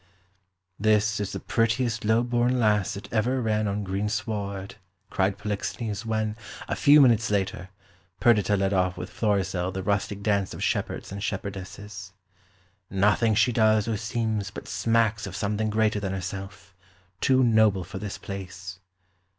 "This is the prettiest low born lass that ever ran on green sward!" cried Polixenes when, a few minutes later, Perdita led off with Florizel the rustic dance of shepherds and shepherdesses. "Nothing she does or seems but smacks of something greater than herself, too noble for this place."